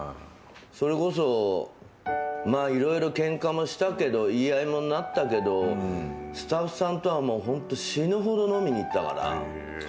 それこそいろいろけんかもしたけど言い合いにもなったけどスタッフさんとは死ぬほど飲みに行ったから。